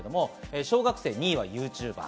小学生２位はＹｏｕＴｕｂｅｒ。